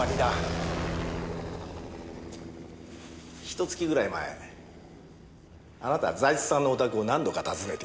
ひと月ぐらい前あなた財津さんのお宅を何度か訪ねている。